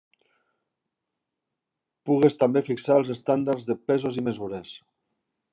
Pugues també fixar els estàndards de pesos i mesures.